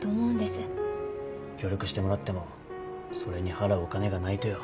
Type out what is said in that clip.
協力してもらってもそれに払うお金がないとよ。